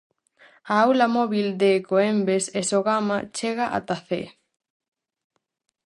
A Aula Móbil de Ecoembes e Sogama chega ata Cee.